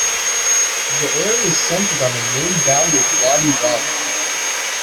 The area is centered on the main valley of Wadi Rum.